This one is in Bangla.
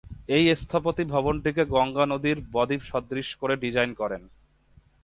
এই স্থপতি ভবনটিকে গঙ্গা নদীর বদ্বীপ সদৃশ করে ডিজাইন করেন।